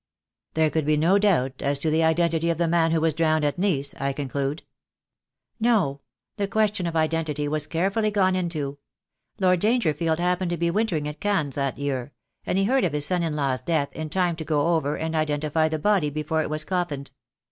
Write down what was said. "There could be no doubt as to the identity of the man who was drowned at Nice, I conclude?" "No, the question of identity was carefully gone into. Lord Dangerneld happened to be wintering at Cannes that year, and he heard of his son in law's death in time to go over and identify the body before it was coffined.